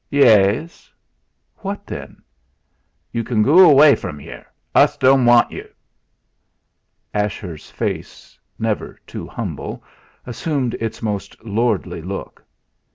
"Yeas." "What, then?" "Yu can goo away from yere. Us don' want yu." Ashurst's face, never too humble, assumed its most lordly look.